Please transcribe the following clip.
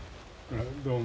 どうも。